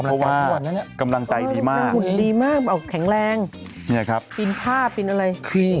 เพราะว่ากำลังใจดีมากนะเนอะแข็งแรงปีนผ้าปีนอะไรครีม